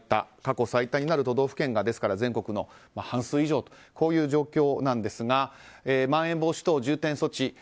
ですから過去最多になる都道府県が全国の半数以上という状況ですがまん延防止等重点措置